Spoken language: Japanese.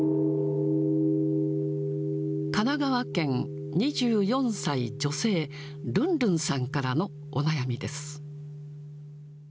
神奈川県、２４歳女性、るんるんさんからのお悩みです。